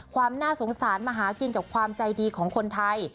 ความน่าสงสารมาหากินกับความใจดีของคนไทย